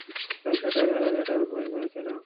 তাহলে সেটাই হলো যেটার ভয় করেছিলাম।